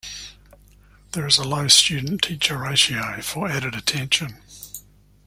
There is a low student-teacher ratio, for added attention.